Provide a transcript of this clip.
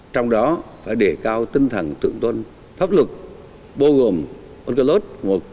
trong đó phải đề cao tinh thần tượng tôn pháp lực bô gồm onkelos một nghìn chín trăm tám mươi hai